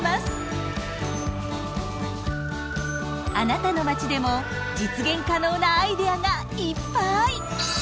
あなたの町でも実現可能なアイデアがいっぱい！